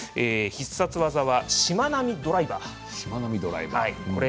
得意技はしまなみドライバーです。